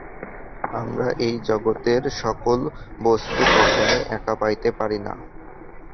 আমরা এই জগতের সকল বস্তু কখনই একা পাইতে পারি না।